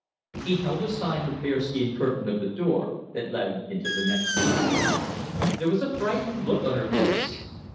He held aside the bear skin curtain of the door that led into the next room. There was a frightened look in her face.